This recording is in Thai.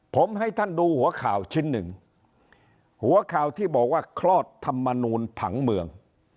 ผมให้ท่านดูหัวข่าวชิ้นหนึ่งหัวข่าวที่บอกว่าคลอดธรรมนูลผังเมือง